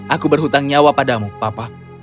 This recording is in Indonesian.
aku berhutang nyawa padamu papa